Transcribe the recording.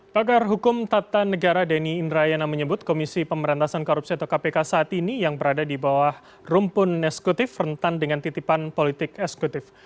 pakar hukum tata negara denny indrayana menyebut komisi pemberantasan korupsi atau kpk saat ini yang berada di bawah rumpun eskutif rentan dengan titipan politik eskutif